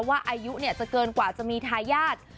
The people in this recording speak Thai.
อายุจะเกินกว่าจะมีทายาท